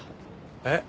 えっ！？